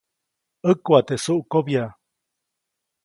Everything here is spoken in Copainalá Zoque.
ʼÄkuʼa teʼ suʼkobya.